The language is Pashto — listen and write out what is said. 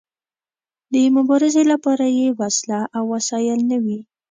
د مبارزې لپاره يې وسله او وسايل نه وي.